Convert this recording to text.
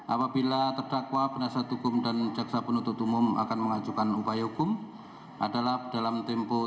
apabila terdakwa penasihat hukum dan jaksa penuntut umum akan mengajukan upaya hukum adalah dalam tempo